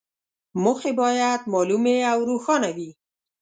موخې باید معلومې او روښانه وي.